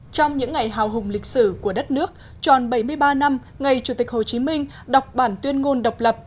trong những ngày hào hùng lịch sử của đất nước tròn bảy mươi ba năm ngày chủ tịch hồ chí minh đọc bản tuyên ngôn độc lập